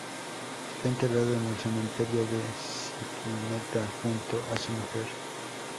Está enterrado en el cementerio de Spinetta junto a su mujer.